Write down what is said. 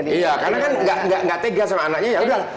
iya karena kan enggak tegas sama anaknya yaudah